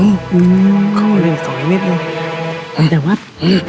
ฮูพ่อเล่นสองดิไม่ได้